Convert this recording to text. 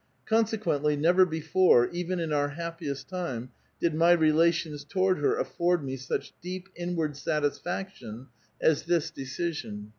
Consequently, never before, even in our happiest time, did my relations toward her afford me such deep inward satis faction as this decision.